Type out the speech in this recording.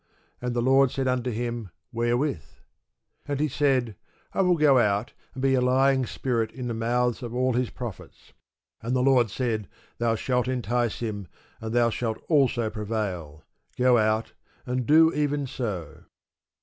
And the Lord said unto him, Wherewith? And he said, I will go out, and be a lying spirit in the mouth of all his prophets. And the Lord said, Thou shalt entice him, and thou shalt also prevail: go out, and do even so.